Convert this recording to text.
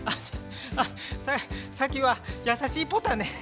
あっサキはやさしいポタね。